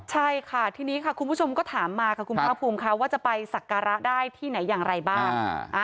ใช่ค่ะทีนี้ค่ะคุณผู้ชมก็ถามมาค่ะคุณภาคภูมิค่ะว่าจะไปสักการะได้ที่ไหนอย่างไรบ้าง